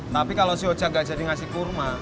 tapi kalau si oja gak jadi ngasih kurma